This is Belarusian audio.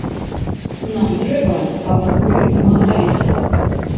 Нам трэба, каб вы змагаліся.